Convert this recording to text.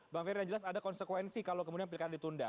bang ferry yang jelas ada konsekuensi kalau kemudian pilkada ditunda